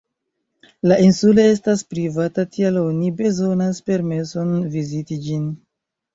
La insulo estas privata, tial oni bezonas permeson viziti ĝin.